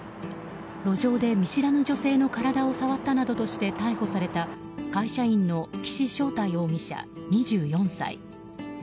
路上で見知らぬ女性の体を触ったなどとして逮捕された会社員の岸正太容疑者、２４歳。